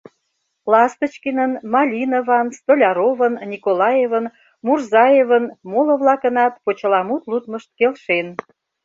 Ласточкинын, Малинован, Столяровын, Николаевын, Мурзаевын, моло-влакынат почеламут лудмышт келшен.